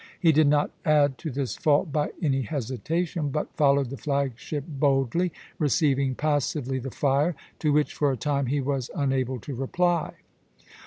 He did not add to this fault by any hesitation, but followed the flag ship boldly, receiving passively the fire, to which for a time he was unable to reply.